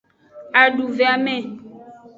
Aduveame.